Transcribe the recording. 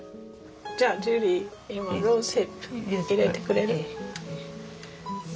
じゃあジュリローズヒップ入れてくれる？